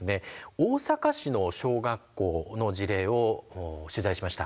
大阪市の小学校の事例を取材しました。